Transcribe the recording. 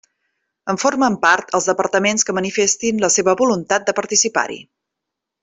En formen part els departaments que manifestin la seva voluntat de participar-hi.